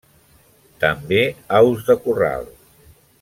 També aus de corral.